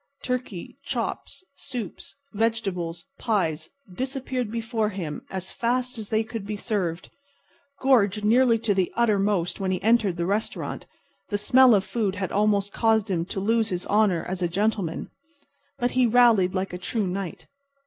Turkey, chops, soups, vegetables, pies, disappeared before him as fast as they could be served. Gorged nearly to the uttermost when he entered the restaurant, the smell of food had almost caused him to lose his honor as a gentleman, but he rallied like a true knight.